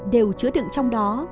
đều chứa đựng trong đó